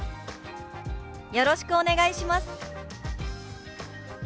「よろしくお願いします」。